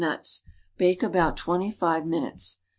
nuts. Bake about twenty five minutes.